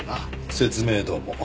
説明どうも。